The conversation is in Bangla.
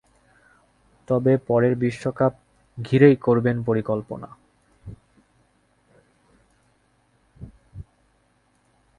তবে পরের বিশ্বকাপ ঘিরেই করবেন পরিকল্পনা।